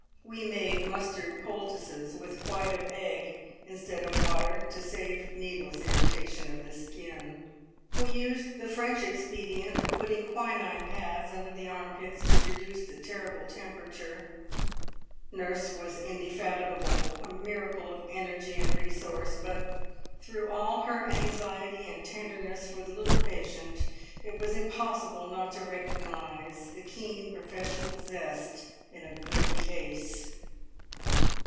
We made mustard poultices with white of egg instead of water, to save needless irritation of the skin; we used the French expedient of putting quinine pads under the armpits to reduce the terrible temperature. Nurse was indefatigable a miracle of energy and resource but through all her anxiety and tenderness for the little patient, it was impossible not to recognise the keen professional zest in a "good case."